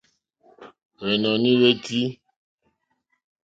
Hwènɔ̀ní hwé tʃí.